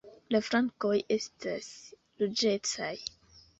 La flankoj estas ruĝecaj.